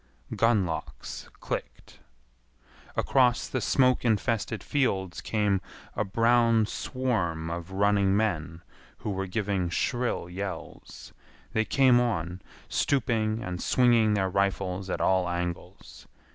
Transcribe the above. Gun locks clicked. Across the smoke infested fields came a brown swarm of running men who were giving shrill yells. They came on, stooping and swinging their rifles at all angles.